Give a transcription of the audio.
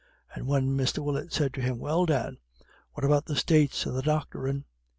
And when Mr. Willett said to him: "Well, Dan, what about the States and the doctoring?"